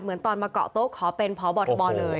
เหมือนตอนที่มาเกาะโต๊ะข้อเป็นเพาะบทบทเลย